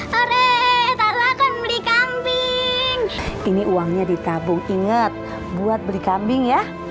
yeah beli kambing asik beli kambing